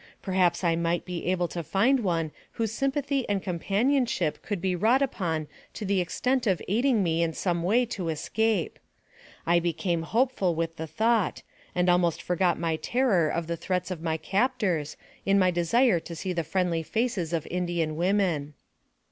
Perhaps I might be able to find one whose sympathy and com panionship could be wrought upon to the extent of aiding me in some way to escape. I became hopeful with the thought, and almost forgot my terror of the threats of my captors, in my desire to see the friendly faces of Indian women.